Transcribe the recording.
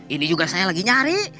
ini juga saya lagi nyari